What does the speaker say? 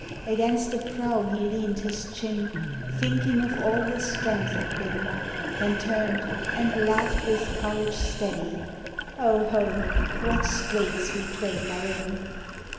Against the prow he leaned his chin, Thinking of all his strength had been; Then turned, and laughed with courage steady: 'O ho! what straits we twain are in!